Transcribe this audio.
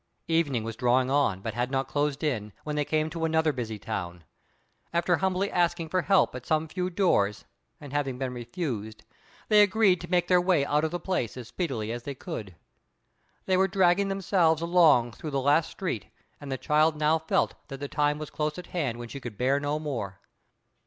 Evening was drawing on, but had not closed in, when they came to another busy town. After humbly asking for help at some few doors, and having been refused, they agreed to make their way out of the place as speedily as they could. They were dragging themselves along through the last street, and the child now felt that the time was close at hand when she could bear no more.